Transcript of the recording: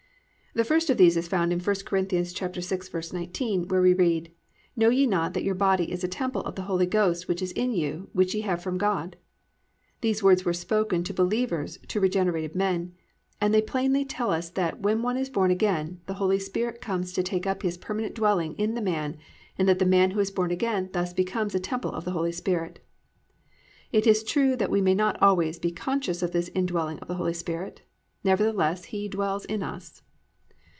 1. The first of these results is found in 1 Cor. 6:19, where we read: +"Know ye not that your body is a temple of the Holy Ghost which is in you, which ye have from God?"+ These words were spoken to believers, to regenerated men, and they plainly tell us that _when one is born again, the Holy Spirit comes to take up His permanent dwelling in the man and that the man who is born again thus becomes a temple of the Holy Spirit_. It is true that we may not always be conscious of this indwelling of the Holy Spirit, nevertheless He dwells in us.